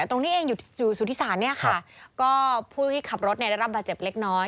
ตรงนี้เองอยู่สุธิศาลเนี่ยค่ะก็ผู้ที่ขับรถเนี่ยได้รับบาดเจ็บเล็กน้อย